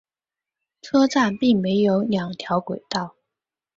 车站并设有两条轨道。